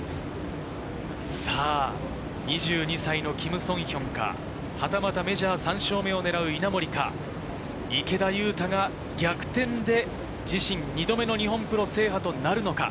２２歳のキム・ソンヒョンか、はたまたメジャー３勝目を狙う稲森か、池田勇太が逆転で自身２度目の日本プロ制覇となるのか。